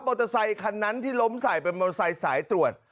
เตอร์ไซคันนั้นที่ล้มใส่เป็นมอเตอร์ไซค์สายตรวจ